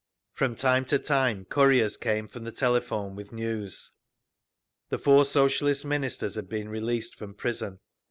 From time to time couriers came from the telephone with news. The four Socialist Ministers had been released from prison.